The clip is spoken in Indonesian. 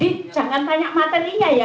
jadi jangan tanya materinya ya